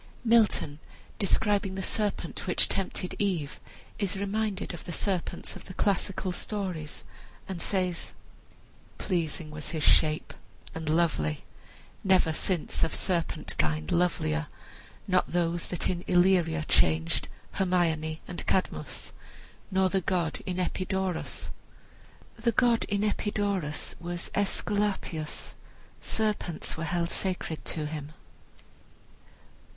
Milton, describing the serpent which tempted Eve, is reminded of the serpents of the classical stories and says: ..." pleasing was his shape, And lovely never since of serpent kind Lovelier; not those that in Illyria changed Hermione and Cadmus, nor the god In Epidaurus" For an explanation of the last allusion, see Oracle of Aesculapius, p. 298.